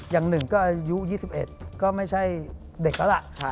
อย่างหนึ่งก็อายุ๒๑ก็ไม่ใช่เด็กแล้วล่ะ